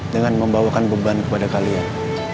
dengan membawakan beban kepada kalian